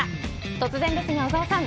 突然ですが小澤さん。